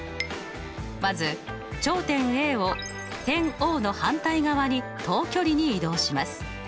まず頂点Ａを点Ｏの反対側に等距離に移動します。